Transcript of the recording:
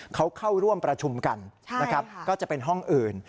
เขาเข้าร่วมประชุมกันนะครับก็จะเป็นห้องอื่น